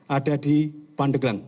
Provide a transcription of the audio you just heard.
ada di pandeglang